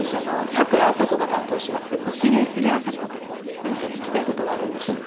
何か聞きたいことがあるんでしょ？